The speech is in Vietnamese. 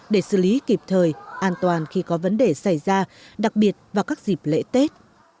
để xử lý kịp thời an toàn khi có vấn đề xảy ra đặc biệt vào các dịp lễ tết